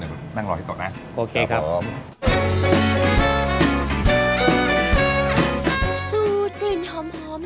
เดี๋ยวนั่งรอที่ตกน่ะครับผม